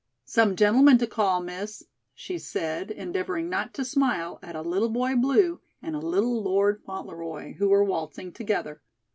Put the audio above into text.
"Some gentlemen to call, Miss," she said, endeavoring not to smile at a Little Boy Blue and a Little Lord Fauntleroy, who were waltzing together.